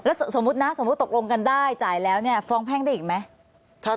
แล้วสมมุตินะสมมุติตกลงกันได้จ่ายแล้วเนี่ยฟ้องแพ่งได้อีกไหม